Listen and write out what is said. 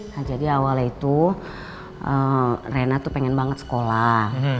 nah jadi awal itu reina tuh pengen banget sekolah